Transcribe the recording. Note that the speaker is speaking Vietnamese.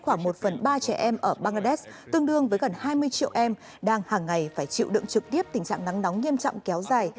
khoảng một phần ba trẻ em ở bangladesh tương đương với gần hai mươi triệu em đang hàng ngày phải chịu đựng trực tiếp tình trạng nắng nóng nghiêm trọng kéo dài